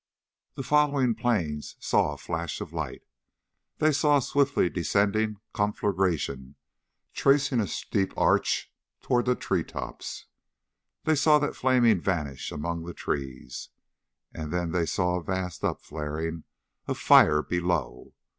The following planes saw a flash of light. They saw a swiftly descending conflagration tracing a steep arch toward the tree tops. They saw that flaming vanish among the trees. And then they saw a vast upflaring of fire below.